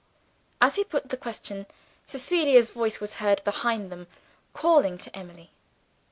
As he put the question, Cecilia's voice was heard behind them, calling to Emily.